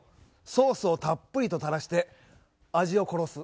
ソースをたっぷりと垂らして味を殺す。